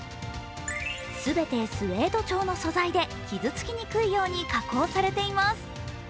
全てスエード調の素材で傷つきにくいように加工されています。